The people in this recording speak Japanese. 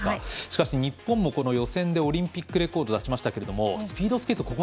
しかし日本も予選でオリンピックレコードを出しましたがスピードスケート